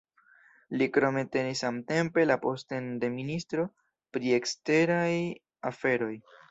Li krome tenis samtempe la postenon de Ministro pri eksteraj aferoj.